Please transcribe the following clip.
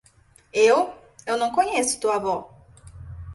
Eu? eu não conheço tua avó.